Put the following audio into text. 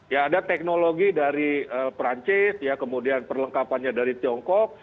ya ada teknologi dari perancis ya kemudian perlengkapannya dari tiongkok